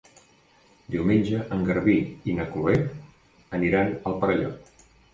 Diumenge en Garbí i na Chloé aniran al Perelló.